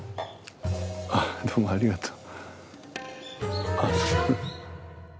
あどうもありがとう。